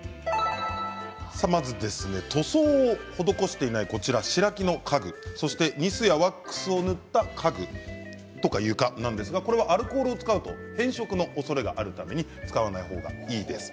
塗装を施していない白木の家具、ニスやワックスを塗った家具とか床、アルコールを使うと変色のおそれがあるために使わない方がいいです。